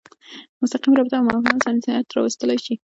مستقیمه رابطه او مفاهمه صمیمیت راوستلی شي.